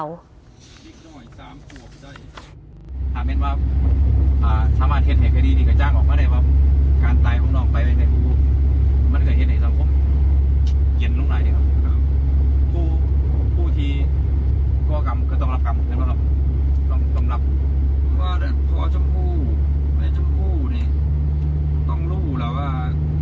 ว่าพ่อชมพู่แม่น้องชมพู่เนี่ยต้องรู้แล้วว่า